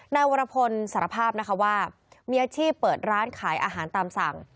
นายวรพลสารภาพนะคะว่ามีอาชีพเปิดร้านขายอาหารตามสั่ง